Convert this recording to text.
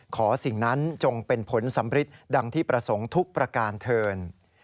สิ่งนั้นจงเป็นผลสำริดดังที่ประสงค์ทุกประการเทิน